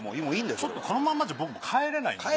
ちょっとこのまんまじゃ僕も帰れないんで。